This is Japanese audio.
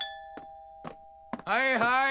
はいはい。